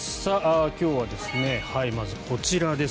今日はまず、こちらです。